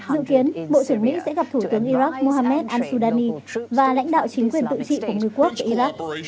dự kiến bộ trưởng mỹ sẽ gặp thủ tướng iraq mohamed al sudani và lãnh đạo chính quyền tự trị của ngư quốc tại iraq